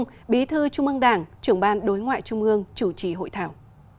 tổng bí thư trung ương đảng trưởng ban đối ngoại trung ương chủ trì hội thảo